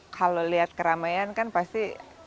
kalau lihat keramaian kan pasti